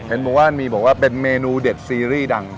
เห็นบอกว่ามีบอกว่าเป็นเมนูเด็ดซีรีส์ดัง